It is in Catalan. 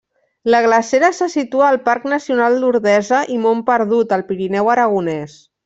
La glacera se situa al Parc Nacional d'Ordesa i Mont Perdut, al Pirineu aragonès.